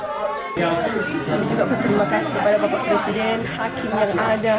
kami juga berterima kasih kepada bapak presiden hakim yang ada